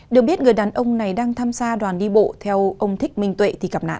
được biết người đàn ông này đang tham gia đoàn đi bộ theo ông thích minh tuệ thì gặp nạn